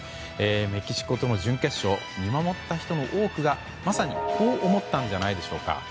メキシコとの準決勝見守った人の多くがまさに、こう思ったのではないでしょうか。